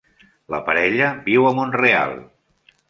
La parella viu a Montreal.